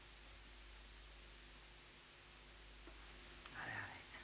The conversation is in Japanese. あれあれ。